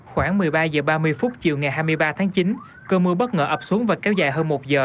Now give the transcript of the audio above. khoảng một mươi ba h ba mươi phút chiều ngày hai mươi ba tháng chín cơn mưa bất ngờ ập xuống và kéo dài hơn một giờ